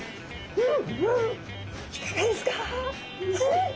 うん！